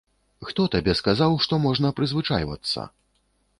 Хто табе сказаў, што можна прызвычайвацца?